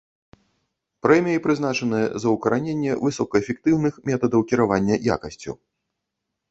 Прэміі прызначаныя за ўкараненне высокаэфектыўных метадаў кіравання якасцю.